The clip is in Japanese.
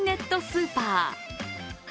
スーパー。